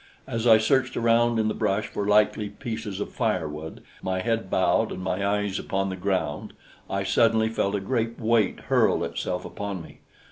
As I searched around in the brush for likely pieces of firewood, my head bowed and my eyes upon the ground, I suddenly felt a great weight hurl itself upon me.